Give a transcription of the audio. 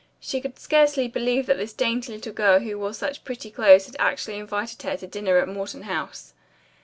She could scarcely believe that this dainty little girl who wore such pretty clothes had actually invited her to dinner at Morton House.